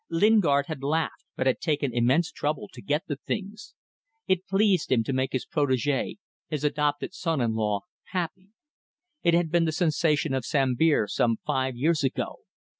Lingard had laughed, but had taken immense trouble to get the things. It pleased him to make his protege, his adopted son in law, happy. It had been the sensation of Sambir some five years ago.